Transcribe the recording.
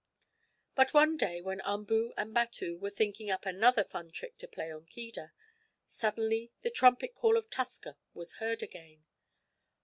But one day when Umboo and Batu were thinking up another fun trick to play on Keedah, suddenly the trumpet call of Tusker was heard again.